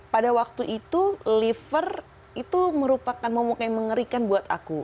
pada waktu itu liver itu merupakan momok yang mengerikan buat aku